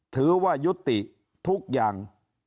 ถือว่ายุติทุกอย่าง